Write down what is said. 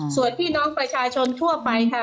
ส่วนพี่น้องประชาชนทั่วไปค่ะ